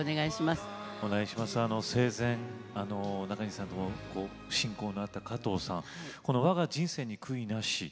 生前、なかにしさんと親交のあった加藤さん「わが人生に悔いなし」